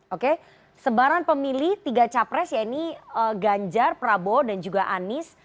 oke sebaran pemilih tiga capres ya ini ganjar prabowo dan juga anies